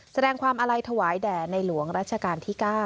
แสดงความอาลัยถวายแด่ในหลวงรัชกาลที่๙